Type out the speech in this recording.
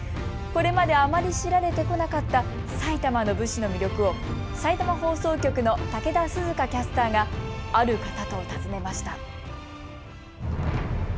これまであまり知られてこなかった埼玉の武士の魅力をさいたま放送局の武田涼花キャスターがある方と訪ねました。